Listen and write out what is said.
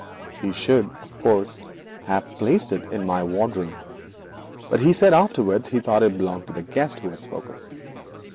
He should, of course, have hung it up in my wardrobe, but he said afterwards he thought it belonged to the guest who had spoken.